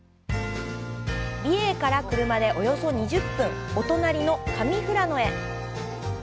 美瑛から車でおよそ２０分お隣の上富良野へ。